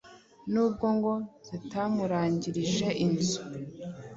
nubwo ngo ritamurangirije inzu